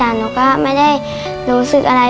แต่หนูก็ไม่ได้รู้สึกอะไร